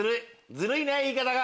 ずるいね言い方が。